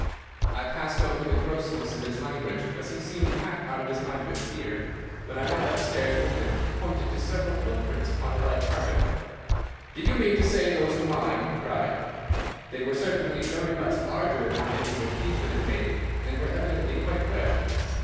"I passed over the grossness of his language, as he seemed half out of his mind with fear. When I went upstairs with him he pointed to several footprints upon the light carpet. "'D'you mean to say those are mine?' he cried. "They were certainly very much larger than any which he could have made, and were evidently quite fresh.